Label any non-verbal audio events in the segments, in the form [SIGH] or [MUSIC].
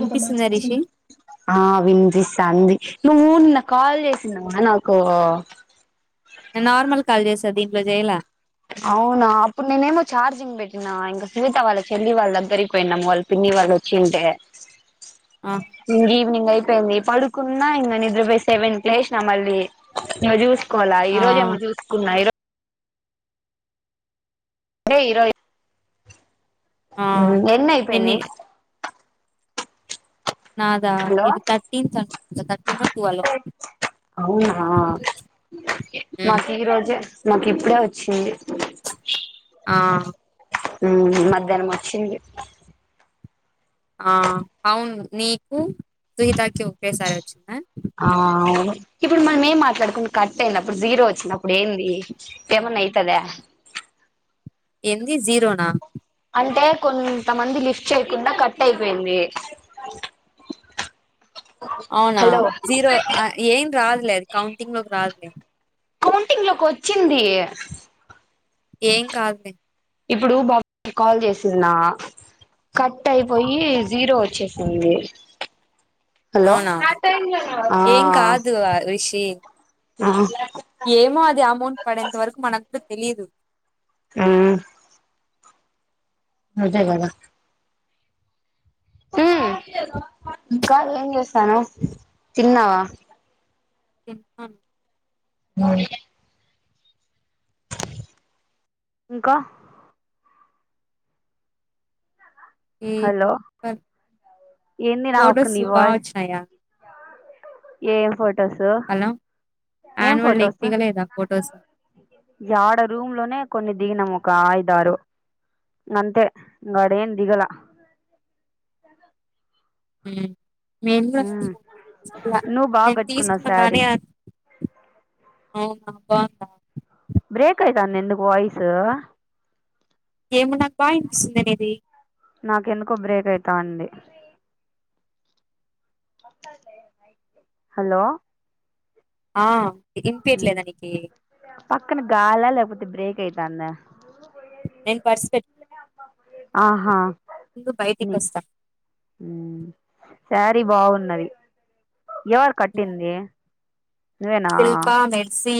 ఇనిపిస్తుందా రిషి ఆ వినిపిస్ త్తంది నువ్వు నిన్న కాల్ చేసిన్నవా నాకు తదీప్లోజయలా అవునా అప్పుడు నేనేమో ఛార్జింగ్ పెట్టినా ఇంక వినిత వాళ్ళ చెల్లి వాళ్ళ దగ్గరికి పోయినాము వాళ్ళ పిన్నీ న్నీ వాళ్ళొచింటే ఆ ఇంగ ఈవినింగ్ అయి తంది పడుకున్నా ఇంగ నిద్రపోయి సెవెన్కి లేశ్న మళ్ళీ ఇంగ చూస్ కోలా ఈ ఆ రోజేమో చూసుకున్నా ఈరో ఏ ఈ రోజు ఆ ఊ నేను ఎన్నైపోయినయి ఇ- నాదా హలో ఇది తర్టీతనుకుంట త అవునా నాకీరోజే నాకిప్పుడే ఒచ్చింది ఆ ఉమ్ మధ్యాహ్నం వచ్చింది ఆ అవును నీకు గీతాకి ఒకేసారి వచ్చిందా ఆ అవును ఇప్పుడు మనం ఏం మాట్లాడకుండ కట్ అయినప్పుడు జీరో వచ్చినప్ ప్పుడెంది పేమన్నా అయితదా ఏంది జీరోనా అంటే కొంతమంది లిఫ్ట్ చేయకుండా కట్ అయిపోయింది అవునా హలో జీరో ఆ ఏన్ రాదులే అది కౌంటింగ్లోకి రాదులే కౌంటింగ్లోకి వచ్చింది ఏం కాదులే ఇప్పుడు బాబ్ కి కాల్ చేసినా కట్ అయిపోయి జీరో వచ్చేసింది హలో అవునా ఆ ఏం కాదు ఆ, రిషి ఆహా ఏమో అది అమౌంట్ పడేంత వరకు మన కూడా తెలీదు ఆ అదే గదా ఊ కాదు ఏం చేస్తనవ్ తిన్నవా [UNINTELLIGIBLE] ఇంకా ఉమ్ హలో ప ఏంది నాకు ఫొటోస్ నీ వాయిస్ బాగచ్చినాయ ఏం ఫొటోస్ ఏం ఫొటోస్ ఆడ రూమ్ లోనే కొన్ని దిగినాము. ఒక ఐదుదారు అంతే ఆడ ఎం దిగలే ఉ నేను గూడ ఉమ్ నువ్వు బాగా నేను కట్టుకున్నావు తీసుకున్నా కానీ శారీ అవునా బాంద బ్రేక్ అయితాంది ఎందుకు వాయిసు ఏమో నాకు బా వినిపిస్తుంది నీది నాక ఎందుకో బ్రేక్ అయితాంది హలో ఆ వినిపియట్లేదా నీకి పక్కన గాల లేకపోతే బ్రేక్ అయితాందా నేను బడ్స్ పెట్టు ఆహా బయటికి ఉ వస్తా ఊ శారీ బాగున్నది ఎవరు కట్టింది. నువ్వేనా శిల్ప మెడ్సి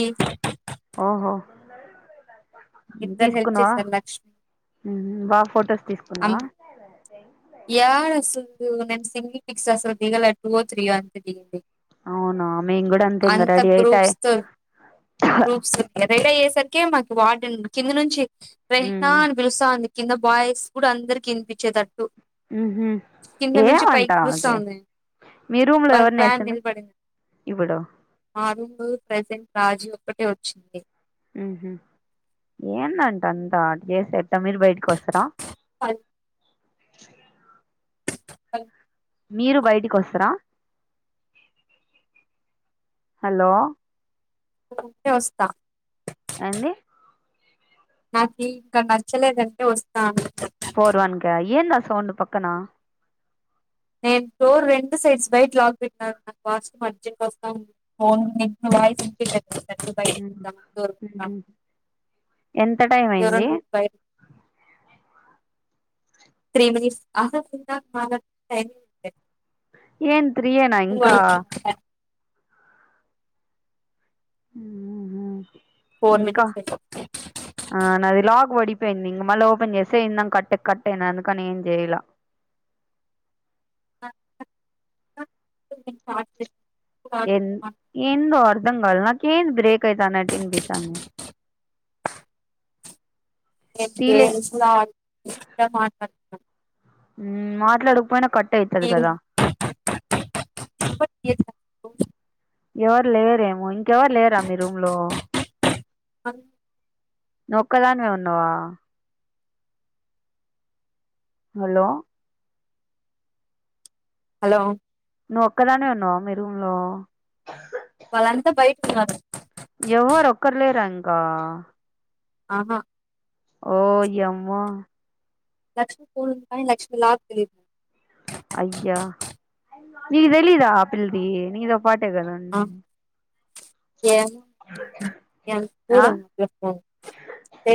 ఇద్దరు హెల్ప్ తీసుకున్నవా చేశారు లక్ష్మి బా ఫొటోస్ తీసుకు కునవా యారు అసదు నమ్ సింగల్ పిక్స్ అసలు దిగలా టూ త్రీయో అంత దింది అవునా మేం కూడా అంతే ఇంగ అంత రెడీ అయితాయి గ్రూప్స్ తో గ్రూప్స్ ఎంత సరికి మాకి వార్డెన్ కింది నుంచి రెహ్నా అని పిలుస్తాంది. కింద బాయ్స్ కూడా అందరుకి వినిపించేటట్టు కింద నుంచి ఏమంట పైకి చూస్త ఆమెకి ఉంది మీ రూమ్ లో బస్ ఎవరిని బ్యా వేసిండ్రు నిలబడింది ఇప్పుడు ఆ ప్రజెంట్ రాజీ ఒక్కటే వచ్చింది. ఉహు ఏంది అంట అంత చేసేది మీర్ బయట్కి వస్తరా మీరు బయటికి వస్తారా హలో ఇప్పుడే వస్తా ఏంది నాకీ ఇంకా నచ్చలేదంటే వస్తా పోర్ వన్ క ఏంది ఆ సౌండ్ పక్కనా నేను డోర్ రెండు సైడ్స్ బైట లాక్ పెట్టినాను. నాకు వాస్తం అర్జెంట్ వస్తాం ఫోన్ [UNINTELLIGIBLE] ఉహు బయటకి వద్దామని డోర్ ఉహు పెట్టాను ఎంత టైం అయింది ఎవరన్నా బయట త్రి మినిట్స్ ఏన్ త్రి ఎన ఇంకా ఉహు ఫోర్ ఇంకా మినిట్స్ నేను ఆ నాది లాక్ వడి అయిపోయింది ఇంగ మళ్ళీ ఓపెన్ చేస్తేయిందాం కట్ట కట్ట అయింది అందుకని ఏం చెయలే స్టార్ట్ చేసినప్పుడు ఆడు ఎన్ ఏందో దంగల్ నాకేం ది బ్రేక్ ఐతానాట్ వినిపిస్తాంది [INAUDIBLE] ఉమ్ మాట్లాడకపోయినా కట్ అయితది ఈవినింగ్ కదా ఎవరు లేరేమో ఇంకెవరు లేరా మీ రూమ్ లో నువ్వొక్కదానివే ఉన్నావా హలో హలో నువ్వు ఒక్కదానే ఉన్నావా మీ రూమ్లో వాళ్ళంతా బయట ఉన్నారు ఎవరు ఒక్కర్లేరింకా అహా ఓయమ్మ లక్ష్మీపూర్ణ ఉ కాని లక్ష్మీలా ఉంది అయ్య నిక్ తెలీదా ఆ పిల్ది నిదో పాటే కద ఉండేది ఏం ఏం కూడ ఉ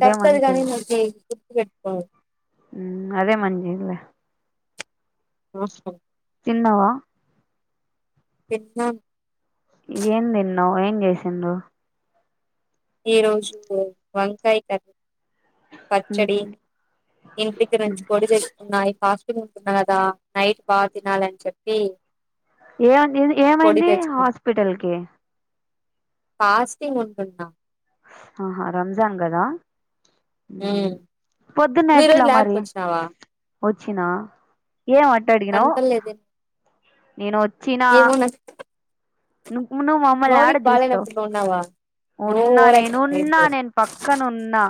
తప్పది గాని నీకు గుర్తు పెట్టుకో ఉ అదే మంచిదిలె ఆ హా తిన్నావా తిన్నన్ ఏం తిన్నావు ఏం చేసిండ్లు ఈరోజు వంకాయ కర్రీ పచ్చడి మ్మ్ ఇంటి గరించి పొడి తెచ్చుకున్నా హాస్టల్ లో ఉంటున్న కదా నైట్ బా తినాలని చెప్పి ఏ అండి పొడి ఏమైంది తెచ్చుకున్నా హాస్పిటల్కి ఫాస్టింగ్ ఉంటున్నా ఆహా రంజాన్గదా ఉమ్ నువ్వు ఈ పొద్దున్నెట్లా రోజు ల్యాబ్కి మరి వచ్చినావా ఓచ్చినా కనపడలేదే నేనోచ్చినా ఏమో నా ను మమ్మల్ని యాడ మౌనికి చూస్తావ్ బాలేనప్పుడు ఉన్నావా నువ్వు ఉన్నా ఓవరాక్షన్ నేనున్నా చేయొద్దు నేను పక్కనున్నా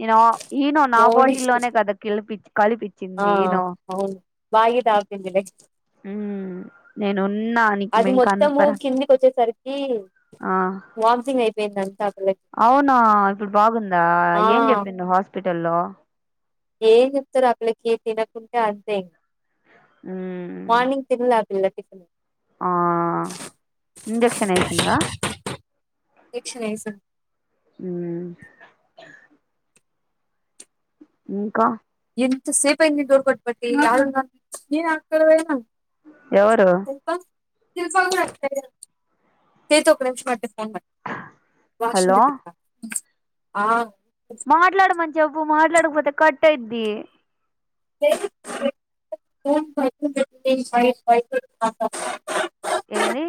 నేను ఈనో నా మౌని బాటిలోనే కదా కిలిపి ఆ కలిపించింది ఈనో అవును బాగా తాగుతుందిలే ఉ అది మొత్తము కనపరా కిందికోచ్చేసరికి వాంతింగ్ అయిపోయిందంట అవ్నా ఇప్పుడు బాగుందా ఆ ఏం చెప్పిండ్రు హాస్పిటల్లో ఏం చెప్తారు ఆ పిల్లకి తినకుంటే అంతే ఉ పిల్లకి ఆ ఇంజెక్షనేసిందా చలెసర్ ఇంకా ఎంత సేపైంది డోర్ కొట్టబట్టి ఎవరు కేతు ఒక నిమ్షమ్ వాష్ రూమ్ హలో దగ్గర్ కా ఆ మాట్లాడమన్ జెపు మాట్లాడపోతే కటాయ్ ది [UNINTELLIGIBLE] ఏందీ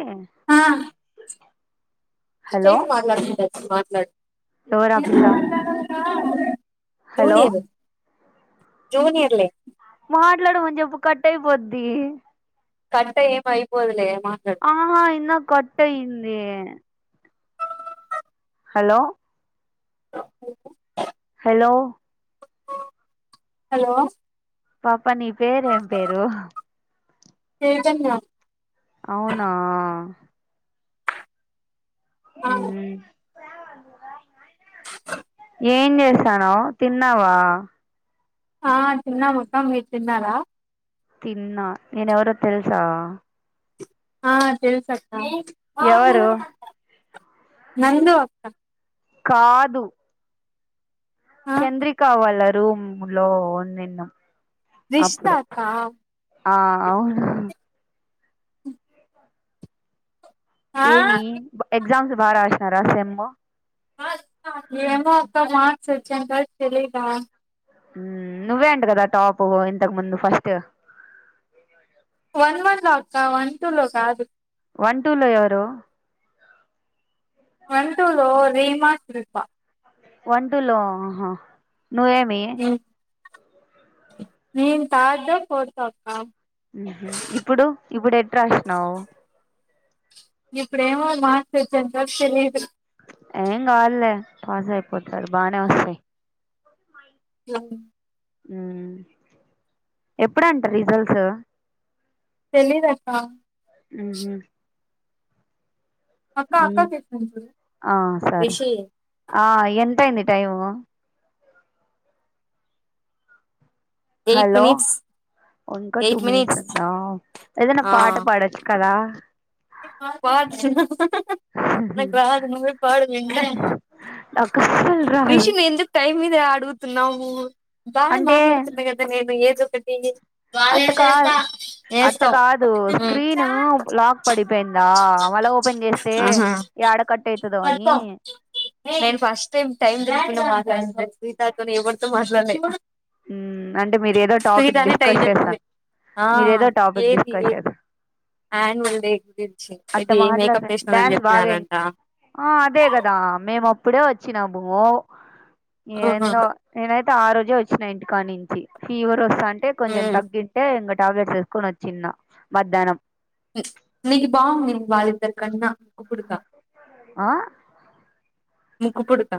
చైత్ మాట్లాడుతుందంట మాట్లాడు ఎవరా పిల్ల హలో జూనియరు జూనియర్లలె మాట్లాడమని చెప్పు కట్ అయిపోద్ది కట్ ఏం అయిపోదులే మాట్లాడు ఆహా ఇందాక్ కటయింది హలో హలో హలో పాప నీ పేరు ఏం పేరు ఏజన్య ఔనా ఉహుమ్ ఏం జెసన్నవ్ తిన్నావా ఆ తిన్నమక్కా మీర్ తిన్నారా తిన్నా నేనెవరో తెల్ సా ఆ తెల్ సక్క ఆ ఎవరు నందు అక్క కాదు ఆ చంద్రిక వాళ్ళ రూమ్ లో నిన్న రిష్ తక్క ఆ ఔన్ ఆ ఏమి బా ఎగ్జామ్స్ బా రాష్ నార సెమ్ము ఆ అక్క ఏమో అక్క మార్క్స్ వచ్చేంతవరక్ తెలిద ఉమ్ నువ్వే అంట కదా టాపు ఇంతకు ముందు ఫస్టు వన్ వన్ లో అక్క వన్ టూ లో కాదు వన్ టూ లో ఎవరు వన్ టూ లో రిమాకృత వన్ టూ లో ఆహా నూ ఏమి నేన్ థడ్డో ఫోర్త్ అక్కా ఇప్పుడు ఇప్పుడేట్ రాష్ నౌవ్ ఇప్పుడేమో మార్చ్ సోచ్చేంతవరక్ తెలిదు ఏం గాద్ లే పాస్ అయిపోతారు బానే తెలీదు వోసయి ఉమ్ ఎప్పుడంటా రిజల్స్ తెలిదక్కా ఉహ్ అక్క అక్క ఉమ్ చేసింది చూడు ఆ సరే రిషి ఆ ఎంతయింది టైయివ్ ఎయిట్ మినిట్స్ ఒంకా టూ మినిట్స్ ఉందా ఏదనా పాట పడచ్చు కదా పాడ్ చున్న ఉహ్ హ్ నక్ రాదు నువ్వే పాడు నాకు అస్సలు రాదు విషింగ్ ఎందూక్ టైమ్ మీదే అడుగుతున్నావు ఉ బానే అంటే మాట్లాడుతున్నా కదా నేను ఏదోకటి గాల్ అట్ట కాదు యేసేస్తా అట్ట ఏస్తవ్ హ్మ్ పడిపెందా ఆ మళ్ళ ఓపెన్ జేస్తే ఆహా యాడ కట్ అయితదో అని నేన్ ఫస్ట్ టైమ్ టైమ్ చూడకుండా మాట్లాడింత్ సీతాతోనే ఎవర్ తో మాట్లలే ఊమ్ అంటే మీరు ఏదో టాపిక్ టైం డిస్కస్ చేసా చెప్పింది మీరేదో టాపిక్ డిస్కస్ చేస యాన్ వల్ డే గుచ్చి ఇది మేకప్ మాట్లాడత ఎస్ నర్ అని డ్యాన్స్ బాగా జేప్పినారంట ఆ అదే గదా మేమ్ అప్ ఇప్పుడే వచ్చినాము ఆ ఏందో నేనైతే ఆరోజే వ ఇంటి కా నుంచి ఫీవర్ వస్తాంటే కొంచెం హ్మ్. తగ్గితే ఇంగ టాబ్లెట్స్ వేసుకొని ఒచిన్న మధ్యాహ్నం నీకు బాగుండింది వాళ్ళిద్దరి కన్నా కుక్కుడు కా ఆ ముక్కు పుడుక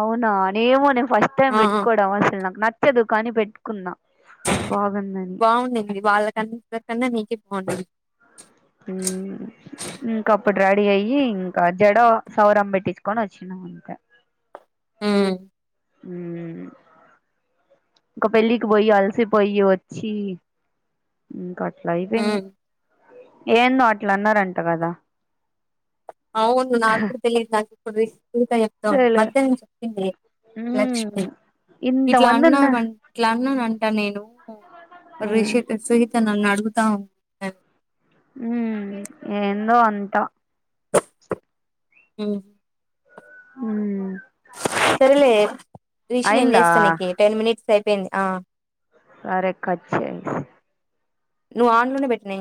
అవునా నేమో నేను ఫస్ట్ టైం ఆ పెట్టుకోవడం అసలు నాకు నచ్చదు కానీ పెట్టుకున్న బాగుండంది వాళ్ళకన్నా ఇరికన్నా నీకే బాగుండది ఊ ఇంకా అప్పుడు రెడీ అయ్యి ఇంకా జడ సౌరం పెట్టించుకొని వచ్చినా ఇంక ఉమ్ ఊ ఇంకా పెళ్ళికి పోయి అల్సి పోయి వచ్చి అట్లైపోయింది ఉమ్ ఏందో అట్లా అన్నారంట గదా అవును నాగూడా తెలీదు నాకు ఇప్పుడు రి ఊకే జెప్తం సరే మధ్యాహ్నం చెప్పింది లే లక్ష్మి ఇట్లా ఇంతమంది ఉన్న అన్నానం ఇట్లా అన్నానంట నేను రిషిక సహిత నన్ను అడుగుత ఉంటది ఉమ్ ఏందో అంతా ఉ ఉమ్ సర్లే రిషి నేన్ అయిందా చేస్తా నీకి టెన్ మినెట్స్ అయిపోయింది ఆ సరే కట్ చేయ్ స్ నువ్ ఆన్లోనే పెట్టినయ్